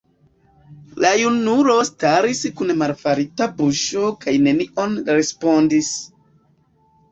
La junulo staris kun malfermita buŝo kaj nenion respondis.